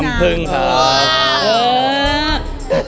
น้ำผึ้งครับ